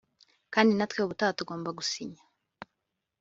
Kandi natwe ubutaha tugomba gusinya